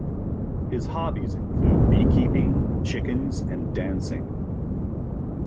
His hobbies include beekeeping, chickens and dancing.